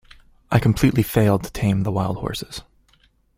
I completely failed to tame the wild horses.